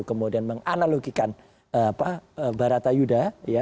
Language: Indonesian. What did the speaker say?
kemudian menganalogikan barata yuda